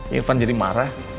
irfan jadi marah